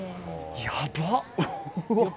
やばっ！